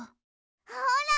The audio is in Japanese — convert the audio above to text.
ほら！